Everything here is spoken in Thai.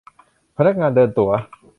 พนักงานเดินตั๋ว